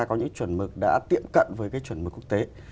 có những chuẩn mực đã tiễm cận với chuẩn mực quốc tế